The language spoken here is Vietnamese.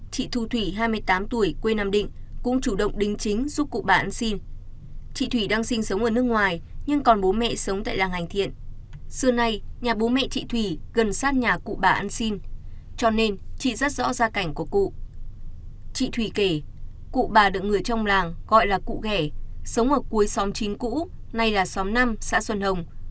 chị thủy kể cụ bà đựng người trong làng gọi là cụ ghẻ sống ở cuối xóm chín cũ nay là xóm năm xã xuân hồng